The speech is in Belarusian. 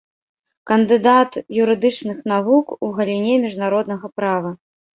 Кандыдат юрыдычных навук у галіне міжнароднага права.